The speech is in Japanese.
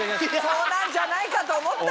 そうなんじゃないかと思ったよ。